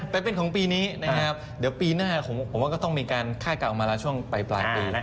แต่เป็นของปีนี้นะครับเดี๋ยวปีหน้าผมว่าก็ต้องมีการคาดการณ์ออกมาแล้วช่วงปลายปี